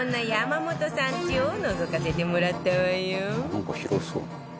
「なんか広そう」